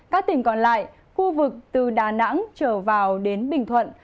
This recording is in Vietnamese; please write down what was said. các tỉnh còn lại khu vực từ đà nẵng trở vào đến bình thuận